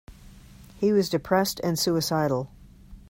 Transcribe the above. He was depressed and suicidal.